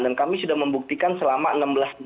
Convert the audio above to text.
dan kami sudah membuktikan selama ini kita masih bekerja